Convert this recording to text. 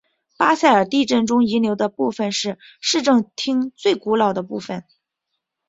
巴塞尔地震中遗留的部分是市政厅最古老的部分。